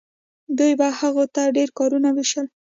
دوی به هغو ته ډیر کارونه ویشل.